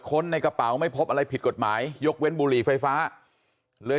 ในกระเป๋าไม่พบอะไรผิดกฎหมายยกเว้นบุหรี่ไฟฟ้าเลย